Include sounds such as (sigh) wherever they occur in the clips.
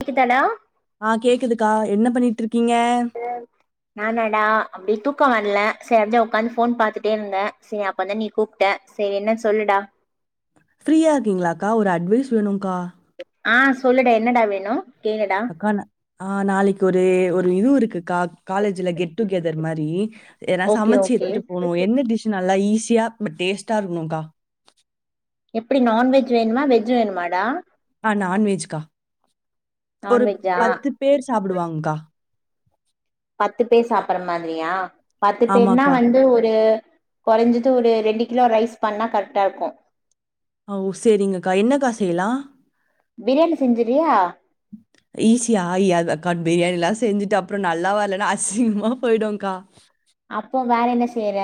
கேக்குதாடா ஆ கேக்குது க என்ன பண்ணிட்ருக் நானாடா அப்டி தூக்கோ வர்ல செரி அத்தா ஒக்காந்து ஃபோன் பாத்துட்டேருந்தே செரி அப்ப தா நீ கூப்ட்ட செரி என்னன் சொல்லுடா ட்வைஸ் வேணூங்க்கா ஆ சொல்லுடா என்னடா வேணூ அக்கா ந ஆ நாளைக்கு ஒரு ஒரு இது இருக்குக்கா காலேஜ்ல கெட் டுகெதர் மாரி எத்னா ஓகே சமச்சு ஓகே எடுத்துட்டு போணூ என்ன டிஷ் நல்லா ஈ சியா பட் டேஸ்டா இருக்ணூங்க்கா எப்டி நான்வெஜ் வேணுமா வெஜ் வேணுமாடா ஆ நான்வெஜ்கா ஒரு நான்வெஜ்ஜா பத்து பேர் சாப்டுவாங்க்கா பத்து பேர் சாப்பற மாத்ரியா பத்து பேர்னா ஆமாக்கா. வந்து ஒரு கொறஞ்சிட்டு ஒரு ரெண்டு கிலோ ரைஸ் பண்ணா கர்ட்டாருக்கூ ஓ செரிங்கக்கா என்னக்கா செய்யலா பிரியாணி செஞ்சுறியா ஈசியா ஐ அத் கண் பிரியாணி எல்லா செஞ்சுட்டு அப்றோ நல்லா வர்லனா அசிங்கமா போய்டூங்கா அப்போ வேற என்ன செய்றே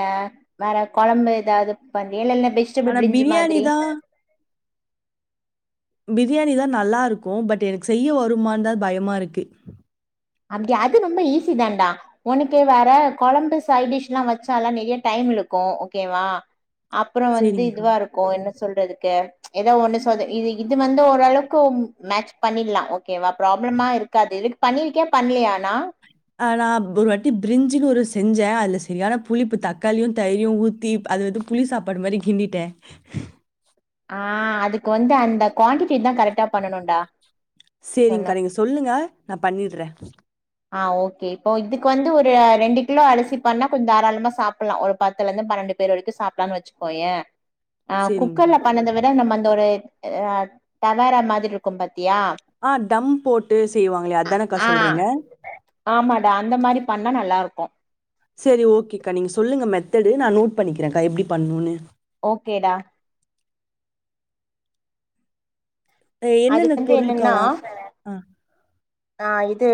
வேற கொழம்பு ஏதாவ்து பண் வேணூனா பெஜ்டபிள் ஆனா பிரிஞ் பிரியாணி மாத்ரி தான் பிரியாணி தா நல்லாருக்கூ பட் எனக்கு செய்ய வருமாந்தா பயமாருக்கு அப்டி அது ரொம்ப ஈஸி தான்டா உனக்கு வேற கொழம்பு சைடிஷ்லா வச்சா நறைய டைம் எடுக்கூ ஓகேவா அப்றோ வந்து சரிங்கக்கா. இதுவாருக்கூ என்ன சொல்றதுக்கு ஏதோ ஒன்னு சோது இது இது வந்து ஓரளவுக்கு மேட்ச் பண்ணிட்லா ஓகேவா ப்ராப்ளமா இருக்காது இது பண்ணிருக்கியா பண்ணலியானா ஆனா ப்ர் ஒரு வாட்டி பிரிஞ்ஜுன்னு ஒரு செஞ்சே அதுல செரியானா புளிப்பு தக்காளியூ தயிரயூ ஊத்தி அது வந்து புளி சாப்பாடு மாரி கிண்டிட்டே ஆ அதுக்கு வந்து அந்த குவான்டிட்டி தா கரெக்டா பண்ணணூன்டா செரிங்க்கா நீங்க சொல்லுங்க நா பண்ணிட்றே ஆ ஓகே இப்போ இதுக்கு வந்து ஒரு ரெண்டு கிலோ அரிசி பண்ணா கொஞ்ச் தாராளமா சாப்ட்லா ஒரு பத்துலேந்து பன்னெண்டு பேர் வரைக்கூ சாப்ட்லான்னு வச்சுக்கோயே ஆ சரிங்கக்கா. குக்கர்ல பண்ணத விட நம்ம அந்த ஒரு ஆ தவேரா மாத்ரி இருக்கூ பாத் ஆ தம் போட்டு செய்வாங்ளே அதானக்கா ஆ சொல்றீங்க ஆமாடா அந்த மாரி பண்ணா நல்லாருக்கூ செரி ஓகேக்கா நீங்க சொல்லுங்க மெத்தடு நா நோட் பண்ணிக்கிறேங்க்கா எப்டி பண்ணூனு ஓகேடா அது என்னென்ன வந்து பொருளுக்கா என்னன்னா வா ஆ ஆ இது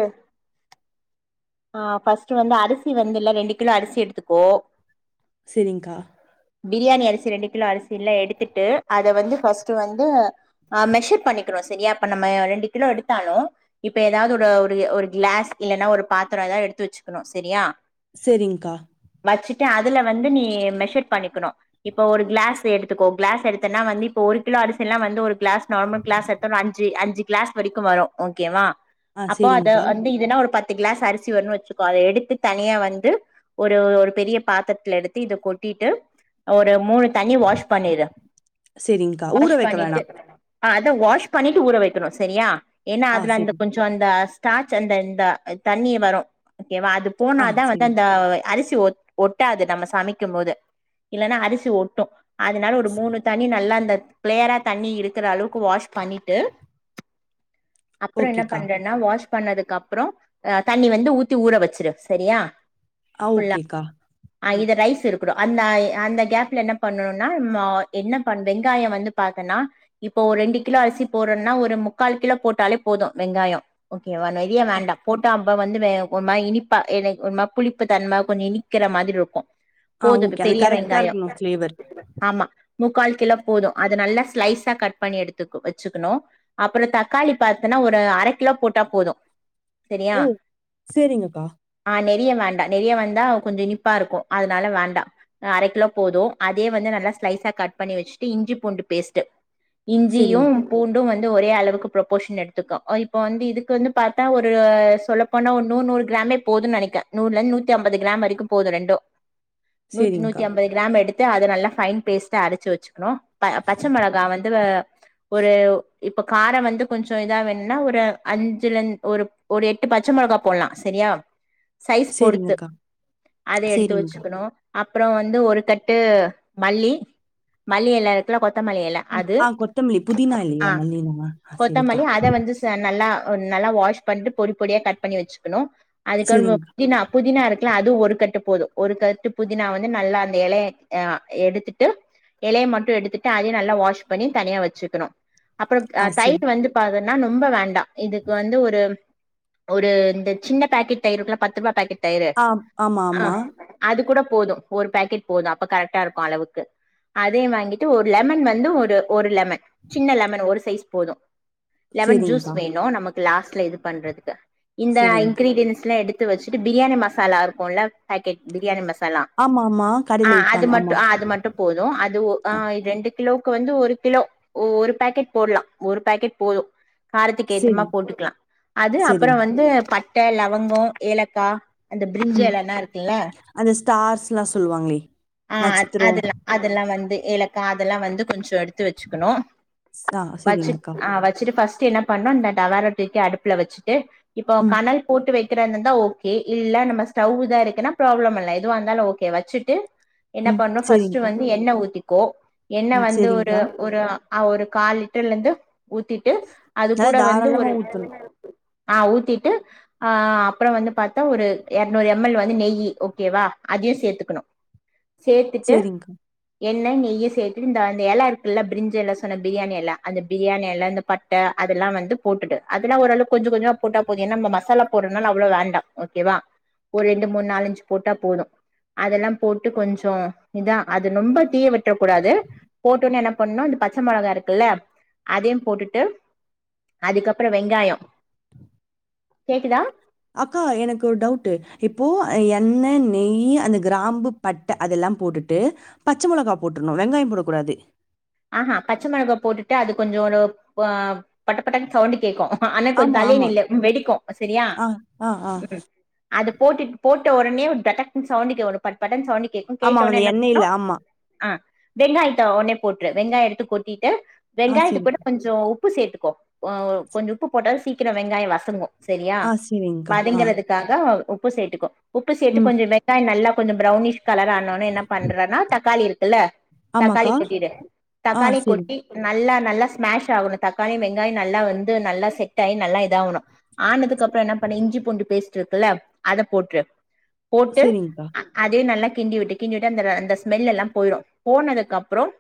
அ ஃபஸ்ட்டு வந்து அரிசி வந்து இல்ல ரெண்டு கிலோ அரிசி எடுத்துக்கோ செரி்ங்கா பிரியாணி அரிசி ரெண்டு கிலோ அரிசி இல்ல எடுத்துட்டு அத வந்து ஃபஸ்ட்ட் வந்து மெஷர் பண்ணிக்கிறோம் சரியா இப்ப நம்ம ரெண்டு கிலோ எடுத்தாலும இப்ப எதாவ்து ஒரு ஒரு க்ளாஸ் இல்லன்னா ஒரு பாத்திரோ எதாத் எடுத்து வச்சுக்ணு செரியா செரிங்க்கா வச்சுட்டு அதுல வந்து நீ மெஷர் பண்ணிக்கணும் இப்போ ஒரு க்ளாஸ் எடுத்துக்கோ கிளாஸ் எடுத்தன்னா வந்து இப்போ ஒரு கிலோ அரிசி எல்லா வந்து ஒரு கிளாஸ் நார்மல் கிளாஸ் எடுத்த ஒரு அஞ்சு அஞ்சு கிளாஸ் வரைக்கு வரு ஓகேவா ஆ அப்போ அத சரிங்கக்கா. வந்து இதுன்னா ஒரு பத்து தி க்ளாஸ் அரிசி வச்சுக்கோ அத எடுத்து தனியா வந்து ஒரு ஒரு பெரிய பாத்திரத்துல எடுத்து இத கொட்டிட்டு ஒரு மூணு தன்னி வாஷ் பண்ணிடு சரிங்கக்கா. ஊற வாஷ் வைக்க பண்ணிட்டு வேணாம். அ அத வாஷ் பண்ணிட்டு ஊற வக்கணு செரியா ஏன்னா ஆ அதுல அந்த சரி. கொஞ்சோ அந்த தாச் அந்த இந்த தண்ணி வரு கேவா அது ஆ போனாதா வந்து சரி. அந்த அரிசி ஒத் ஒட்டாது நம்ம சமைக்கும்போது இல்லன்னா அரிசி ஒட்டு அதுனால ஒரு மூணு தனி நல்லா க்ளேயரா தண்ணி இருக்குற அளவுக்கு வாஷ் பண்ணிட்டு அப்றோ என்ன ஓகேக்கா. பண்றன்னா வாஷ் பண்ணதுக்கு அப்றோ அ தண்ணி வந்து ஊத்தி ஊற வச்சிரு சரியா ஆ ஃபுல்லா ஓகேக்கா. ம். இது ரைஸ் இருக் அந்த அந்த கேப்ல என்ன பண்ணும்னா என்ன வெங்காயோ வந்து பாத்தன்னா இப்போ ஒரு ரெண்டு கிலோ அரிசி போறோம்னா ஒரு முக்கால் கிலோ போட்டாலே போது வெங்காயோ இவ நெரிய ஆ வேண்டா போட்டு அ வந்து ஒரு இனிப்பா எனக்கு ஒரு புளிப்பு தன்ம கொஞ்ச இனிக்கிற மாடுய்ட்டின் இருக்கு ஆ போது ஓகே. அது பெரிய கரெக்ட்டா வெங்காயோ இருக்கணும் ஃப்ளேவர். ஆமா முக்கால் கிலோ போது அது நல்லா ஸ்லைஸா கட் பண்ணி எடுத்துக்க வச்சுக்கணு அப்புறோ தக்காளி பார்த்தன்னா ஒரு அரை கிலோ போட்டா போது சரியா ஹோ சேரிங்கக்கா நெறிய வேண்டா நெறிய வந்தா கொஞ்ச இனிப்பா இருக்கு அதனால வேண்டா அரைக்கிலோ போது அதே வந்து நல்லா ஸ்லைஸா கட் பண்ணி வச்சுட்டு இஞ்சி பூண்டு பேஸ்ட்ட் இஞ்சியு சரிங் பூண்டு வந்து ஒரே அளவுக்கு ப்ரொபோஷன் எடுத்துக்கு இப்போ வந்து இதுக்கு வந்து பார்த்தா ஒரு ஒரு சொல்ல போனா ஒரு நூறு கிராமே போதன்னு நினைக்கேன் நூறுல இருந்து நூத்தி ஐம்பது கிராம் வரைக்கு போது ரெண்டு நூத்தி சரிங்க்கா. நூத்தி ஐம்பது கிராம் எடுத் அத நல்லா ஃபயின் பேஸ்ட்டா அரச்சு வச்சுக்கணு பச்ச மிளகா வந்து ஒரு இப்ப காரம் வந்து கொஞ்சோ இதா வேணும்னா ஒரு அஞ்சுல ஒரு ஒரு எட்டு பச்ச மிளகா போட்லா செரியா சைஸ் பொறுத்து சரிங்கக்கா. அத எடுத்து சரிங்கக்கா. வச்சுக்ணு அப்றோ வந்து ஒரு கட்டு மல்லி மல்லி எல்லா இருக்குல கொத் ஆ கொத்தம்லி புதீனா இல்லயோ ஆ மல்லினோம ஆ செரிங்கா ஒ நல்லா வாஷ் பண்ட்டு பொடி பொடியா கட் பண்ணி வெச்சுக்கணு அதுக்கபற நம சரிங்கக்கா. புதினா புதினா இருக்கல அது ஒரு கட்டு போது ஒரு கட்டு புதினா வந்து நல்லா அந்த எலைய எ ஆ எடுத்துட்டு எலைய மட்டு எடுத்துட்டு அதயு நல்லா வாஷ் பண்ணி தனியா வெச்சுக்கணு அப்பறம் ஆ தயிர் வந்து பா ன னொம்ப வேண்டா இதுக் வந்து ஒரு ஒரு இந்த சின்ன பேக்கெட் தயிருக்குல பத்து ரூபா பேக்கெட் தயிறே ஆ ஆமா, ஆ ஆமா. அது கூட போதோ ஒரு பேக்கெட் போதோ அப்ப கரெக்டா இருக்கு அளவுக்கு அதேயு வாங்கிட்டு ஒரு லெமன் வந்து ஒரு ஒரு லெமன் சின்ன லெமன் ஒரு சைஸ் போதோ லெமன் ஜூஸ் சரிங்கக்கா. வேணு நமக் லாஸ்ட்ல இது பண்றதுக்கு இந்த ஆ சரிங்கக்கா. இன்கிரீடியன்ஸ்லா எடு து வெச்சுட்டு பிரியாணி மசாலா இருக்குல பேக்கெட் பிரியாணி மசாலா ஆமா, ஆமா. பல்லா கடையில ஆ அது விப்பாங்க. மட்டு ஆமா. அது மட்டு போதோ அது ஒ ஆ இத்ரெண்டுக் கிலோக்கு வந்து ஒரு கிலோ ஒ ஒரு பேக்கெட் போட்லா‌ ஒரு பேக்கெட் போதோ காரத்துக்கு ஏத்தமா சரிங் போட்டுக்லா து அப்பற சரிங்கக்கா. வந்து பட்ட லவ்ங்கோ ஏலக்கா அந்த பிரிஞ்சு ம். எலலா இருக்குள்ள அந்த ஸ்டார்ஸ்லாம் சொல்லுவாங்களே! ஆ அத் நட்சத்திரம். அதெல்லா அதெல்லா வந்து ஏலக்கா அதெல்லா வந்து கொஞ்சோ எடுத் து வெச்சுக்கணு ஸ் ஆ வச்சுப் சரிங்கக்கா. ஆ வச்சுட்டு ஃபர்ஸ்ட் தின்ன பண்ணு இந்த டவார தூக்கி அடுப் புல வச்சுட்டு இப்போ ம், கனல் போட்டு வெக் கிறயிந்துந்தா ஓகே இல்ல நம்ப ஸ்டவ்வுதா இருக்குனா ப்ராப்ளம் இல்ல எதுவாயிந்தாலு ஓகே வச்சுட்டு என்ன ம். பண்ணு ஃபர்ஸ்ட்டு சரிங்கக்கா. வந்து எண்ணெ ஊத்தி கோ எண்ணெ ம் வந்து ஒரு சரிங்கக்கா. ஒரு அ ஆ ஒரு கால் லிட்டர்லிந்து ஊத்திட்டு அது நல்லா கூட வந்து தாராளமா ஒரு ஊத்தணும். ஆ ஊத்திட்டு ஆ அப்பற வந்து பாத்தா ஒரு எறநூறு எம் எல் வந்து நெய்யி ஓகேவா அதையு சேத்துக்கணு சேத்துட்டு சரிங்கக்கா. எண்ணெ நெய்ய சேத்துட்டு இந்த அந்த எல இருக்குல பிரிஞ்சு எல சொன்ன பிரியாணி எல அந்த பிரியாணி எல இந்த பட்ட அதெல்லா வந்து போட்டுடொ அதெல்லா ஓரளவு கொஞ்சோ கொஞ்சோமா போட்டா போது ஏனா நம்ம மசாலா போட்றனால அவ்ளோ வேண்டா ஓகேவா ஒரு ரெண்டு மூணு நாலஞ்சு போட்டா போது அதெல்லா போட்டு கொஞ்சோ இதா அது நொம்ப தீய விட்ரக்கூடாது போட்டோனே என்னா பண்ணோ இந்த பச்ச மெளளகா இருக்குல அதையு போட்டுட்டு அதுக்கப்றோ வெங்காயோ கேக்குதா அக்கா எனக்கு ஒரு டவுட்டு் இப்போ எண்ணெ நெய்யி அந்த கிராம்பு பட்டை அதெல்லாம் போட்டுட்டு பச்ச மொளகா போட்ருணும் வெங்காயம் போடக் கூடாது ஆஹா பச்ச மெளகா போட்டுட்டு அது கொஞ்ஜோ ஒரு பட படன்னு சவுண்டு கேக்கும் ஆனா கொஞ்ஜோ ஆமா, தள்ளி ஆமா. நில்லு வெடிக்கும் சரியா ஆ, ஆ, ஆ. உம் அது போட்டுட்டு போட்ட ஒடனே டடக் சவுண்டு கே படபடனு சவுண்டு கேக்கு ஆமா, கேட்ட உடனே அந்த என்ன எண்ணெயில பண்ணுனா ஆமா. ஆஹ் வெங்காயத்தா உடனே போட்ரு வெங்காயம் எடுத்து கொட்டி ஆ வெங்காயத்து கூட சரிக்கா. கொஞ்ஜோ உப் உப்பு சேத்துக்கோ ச கொஞ்ஜோம் உப்பு போட்டா சீக்கிரம் வெங்காயம் வசங்கு செரியா ஆ சரிங்கக்கா. ஆ. வதங்கறதுக்காக உப்பு சேத்துகோ உப்பு ம். சேதாதுகொஞ்ஜம் வெங்காயம் நல்லா கொஞ்ஜம் ப்ரௌனிஷ் கலர் ஆன உடனே என்ன பண்றேனா தக்காளி இருக்குல ஆமாக்கா ஆ தக்காளி சரி. கொட்டி நா நல்லா நல்லா ஸ்மாஷ் ஆகணு தக்காளி வெங்காயம் நல்லா வந்து நல்லா செட் ஆகி நல்லா இதா ஆகணும் ஆனதுக்கு அப்புறம் என்ன பண்ணி இஞ்சி பூண்டு பேஸ்ட் இருக்குல அத போட்ரு போட்டு சரிங்கக்கா. அதே நல்ல கிண்டி விட்டு கிண்டி விட்டு அந்த அந்த ஸ்மெல் எல்லா போயிரும் போனதுக்கு அப் அப்றோம்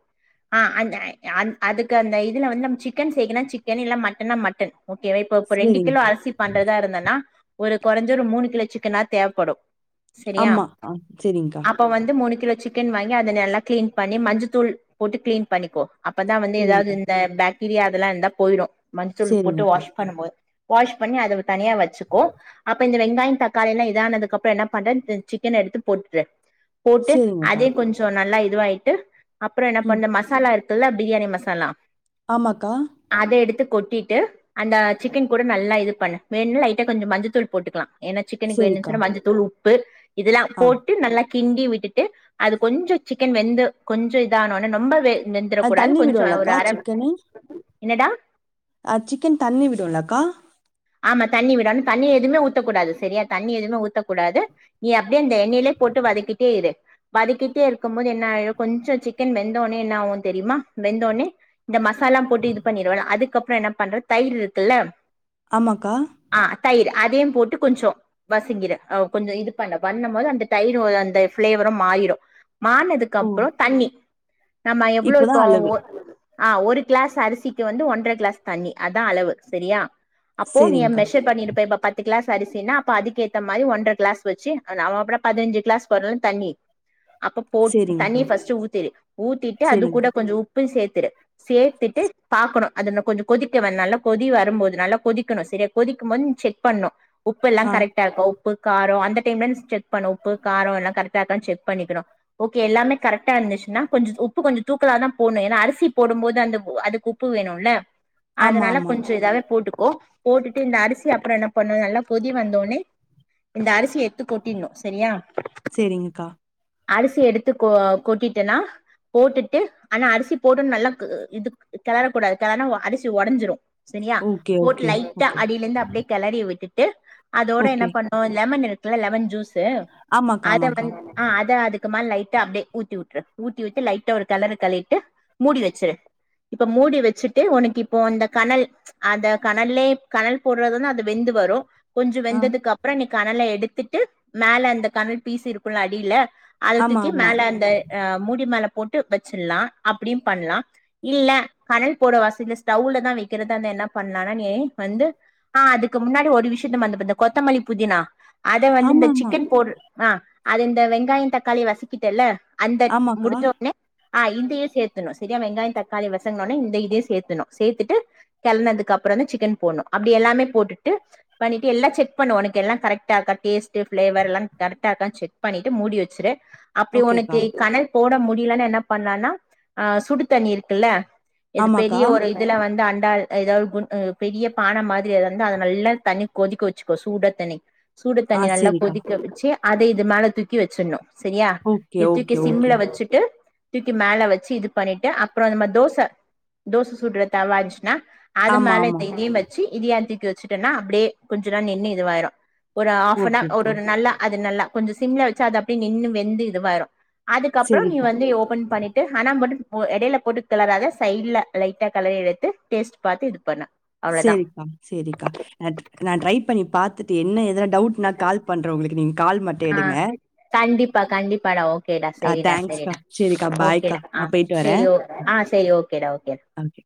ஆஹ் அந்த அதுக்கு அந்த இதுல வந்து நம்ப சிக்கன் செய்கனா சிக்கன் இல்லேனா மட்டன்னா மட்டன் ஓகேவா இப்ப இப்ப ரெண்டு கிலோ சரிங்கக்கா. அரிசி பண்றதா இருந்ததுன்னா ஒரு குறைஞ்ச ஒரு மூணு கிலோ சிக்கன்னாவது தேவைப்படும் சரியா ஆமா. ஆ சரிங்கக்கா. அப்ப வந்து மூணு கிலோ சிக்கன் வாங்கி அதை நல்லா கிளீன் பண்ணி மஞ்ச தூள் போட்டு கிளீன் பண்ணிக்கோ அப்பதான் வந்து ஏதாவது சரிங்கக்கா. இந்த பேட் பிரியாதெல்லாம் இருந்தா போயிடும் மஞ்சதூள் போட்டு சரிங்கக்கா. வாஷ் பண்ணும் போது வாஷ் பண்ணி அதை தனியா வச்சுக்கோ அப்ப இந்த வெங்காயம் தக்காளி எல்லாம் இதா ஆனதுக்கு அப்புறம் என்ன பண்றே சிக்கன் எடுத்து போட்டுரு போட்டு சரிங்கக்கா. அதே கொஞ்சம் நல்லா இதுவாயட்டு அப்புறம் என்ன ம். பண்ணு மசாலா இருக்கு பிரியாணி மசாலா ஆமாக்கா. அத எடுத்து கொட் டீட்டு அந்த சிக்கன் கூட நல்லா இது பண்ணு வேணும்ணா லைட்டா கொஞ்ச மஞ்சத்தூள் போட்டுக்லா ஏன சிக்கனுக்கு சரிக்கா. வேணு மஞ்ச தூள் உப்பு பு இதுலா ஆ. போட்டு நல்லா கிண்டி விட்டுட்டு அது கொஞ்சோ சிக்கன் வெந்து கொஞ்சோ தானோனே ரொம்ப வே தண்ணி விடுல்லக்கா சிக்கனு என்னடா அ சிக்கன் தண்ணி விடுல்லாக்கா ஆமா தண்ணி விடணு தண்ணி எதுமே ஊத்தக்கூடாது சரியா தண்ணி எதுமே ஊத்தக்கூடாது நீ அப்டியே அந்த எண்ணெயிலயே போட்டு வதக்கிட்டே இரு வதக்கிட்டே இருக்கும் போது என்ன கொஞ்சம் சிக்கன் வெந்தோனே என்ன ஆகும் தெரியுமா வெந்தோனே இந்த மசாலா போட்டு இது பண்ணிருவலாம் அதுக்கப்புற என்ன பண்றது தயிர் இருக்குல்ல ஆமாக்கா அதயு போட்டு கொஞ்ச வசிங்கிட கொஞ்ச இது பண்ண பண்ணு போது அந்த தயிர் அந்த ப்ளேவரு மாரிடு மார்னதுக்கு ஓ! அப்புறோ தண்ணி நம்ம எவ்ளோ இப்ப இப்போ தான் அளவு. ஒ அ ஒரு க்ளாஸ் அரிசிக்கு வந்து ஒன்றர க்ளாஸ் தண்ணி அதா அளவு சரியா அப்போ நீ சேரிங்க்கா, மெஷர் பண்ணிருப்ப பத்துக்க க்ளாஸ் அரிசின்னா அப்ப அதுக்கேத்த மாரி ஒன்றர க் ளாஸ் வச்சு பதினஞ்சு கிளாஸ் வருல்ல தண்ணி அப்ப போ சேரிங்க்கா, தண்ணிய ஃப்ர்ஸ்ட்டு ஊத்திடு ஊத்திட்டு அது கூட சேரிங்க்கா. கொஞ்சி உப்பு சேத்து சேத்துட்டு பாக்கணு அது கொஞ்சோ கொதிக்கால கொதி வரும்போதுனால கொதிக்கணு சரிய கொதிக்கும்போது செக் பண்ணு உப் எல்லா ஆ, கரெக்டடா இருக்கா உப்பு காரம் அந்த டைம்ல செக் பண்ணும் உப்பு காரம் எல்லாம் கரெக்டா இருக்க செக் பண்ணிக்கணும் ஓகே எல்லாமே கரெக்டா இருந்துச்சுன்னா கொஞ்சம் உப்பு கொஞ்சம் தூக்கலாதான் போணும் ஏன்னா அரிசி போடும் போது அந்த அதுக்கு உப்பு வேணும்ல ஆமா, அதனால ஆமா. கொஞ்ச இதாவே போட்டுக் கோ போட்டுட்டு இந்த அரிசி அப்புறம் என்ன பண்ணும் நல்லா கொதி வந்தோனே இந்த அரிசிய எடுத்து கொட்டினும் சரியா சேரிங்கக்கா. அரிசி எடுத்து கொ கொட்டிட்ன்னா போட்டுட்டு ஆனா அரிசி போட்டுன்ன நல்லா இது கிளறக்கூடாது கிளறனா அரிசி உடஞ்சிடு சரியா ஓகே, போட்டு ஓகே, லைட்டா ஓகே, அடிலிருந்து அப்டியே கெளறி விட்டுட் கு அதோட என்ன ஓகே. பண்ணோ லெமன் இருக் இல்ல லெமன் ஜூஸ் தே ஆமாக்கா, அத ஆமாக்கா. வந் ஆ அத அதுக் சும்மா லைட்டா அப்டே ஊத்தி விட்ரு ஊத்தி விட்டு லைட்டா ஒரு கெளறு கெளறிட்டு மூடி வெச்சுரு இப்ப மூடி வெச்சுட்டு ஒனக்கு இப்போ இந்த கனல் அத க கனல்லே கனல் போடுறதுந்துா அது வெந்து வரும். கொஞ்சம் ஆ, வெந்ததுக்கு அப்புறம் கனலை எடுத்துட்டு மேல அந்த கனல் பீசி இருக்குல அடில அதுத் ஆமா, தூக்கி ஆமா. மேல அந்த அ மூடிமேல போட்டு வச்சிடலா அப்படியும் பண்லா இல்ல கனல் போட வச இ ஸ்டவ்ல தான் வைக்கிறதுத அ என்ன பண். (unintelligible) வந்து ஆ அதுக்கு முன்னாடி ஒரு விஷயத்த மறந்து கொத்தமல்லி புதினா. அத வந்து இந்த ஆமாமா. சிக்கன் போடு ஆ அது இந்த வெங்காயம் தக்காளிய வசிக்கிட்டேல்ல அந்த ஆமாக்கா. முடிஞ்சோ உடனே ஆ இதையும் சேர்த்தணும் சரியா வெங்காயம் தக்காளி வசங்கோனே இந்த இதையும் சேர்த்துணும் சேர்த்துட்டு கிளனதுக்கு அப்புறம். அப்றோ வந்து சிக்கன் போட்ணு அப்டி எல்லாமே போட்டுட்டு பண்ணிட்டு எல்லா செக் பண்ணு ஒனக்கு எல்லா கரெட்டா இருக்கா டேஸ்ட்டு ஃப்ளேவர் எல்லா கரெட்டா இருக்கான் செக் பண்ணிட்டு மூடி வச்சிரு. அப்படி ஓகேக்கா. உனக்கு கனல் போட முடியலன்னா என்ன பண்ணலனா அ சுடு தண்ணி இருக்குல்ல இது ஆமாக்கா. பெரிய ஒரு இதுல வந்து அ ஏதா ஏதாவது ஆ பெரிய பானை மாதிரி இருந்து அதை நல்லா தண்ணி கொதிக்க வச்சுக்கோ சூட தண்ணி. சூடு ஆ, தண்ணி நல்லா சேரிக்கா. கொதிக்க வச்சு அதே இது மேல தூக்கி வச்சிடணு சரியா ஓகே, இத்தூக்கி ஓகே, ஓகே. சிம்ல வச்சுட்டு தூக்கி மேல வச்சு இது பண்ணிட்டு அப்புறம் இந்த மாத தோச தோச சுடுற தவாச்சுன்னா. ஆமா, மேல ஆமா. இந்த இதையும் வச்சு இதாட்டு வச்சுட்டேன்னா அப்புடே கொஞ்சநா நின்னு இதுவாயிரு ஒரு ஹாஃ ப் அன் ஒரு ஓகேக்கா. ஒரு நல்லா அது நல்லா கொஞ்ச சிம்ல வச்சா அது அப்டே நின்று வெந்து இதுவாயிரு அதுக்கப்பறோ நீ சேரிப்பா. வந்து ஓபன் பண்ணிட்டு ஹனா மட்டு எடைல போட்டு கெலராத சைட்ல லைட்டா கலறி எடுத்து டேஸ்ட் பாத்து எடு பன்னு சேரிக்கா சரிக்கா நா ட்ரை பண்ணி பாத்துட்டு என்ன ஏதுனா அ எடுங்க. கண்டிப்பா கண்டிப்பாடா ஓகேடா ஆ செரிடா தேங்க்ஸ்க்கா. செரிடா சேரிக்கா, பாய்க்கா. ஓகேடா அ நான் போயிட்டு செரி வரேன். அ செரி ஓகேடா கேட ஓகே.